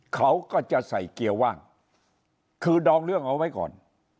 เขาก็จะใส่เกียร์ว่างคือดองเรื่องเอาไว้ก่อน